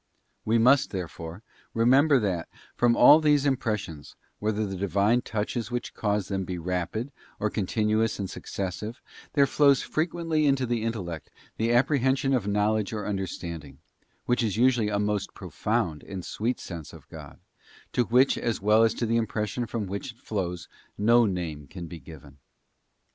' We must, therefore, remember that, from all these impressions, whether the Divine touches which cause them, be rapid, or continuous and successive, there flows frequently into the intellect the apprehension of knowledge or under standing; which is usually a most profound and sweet sense of God, to which, as well as to the impression from which it flows, no name can be given.